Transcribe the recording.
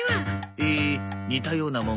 へえ似たようなもん